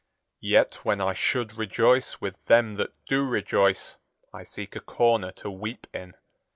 Yet when I should rejoice with them that do rejoice, I seek a corner to weep in.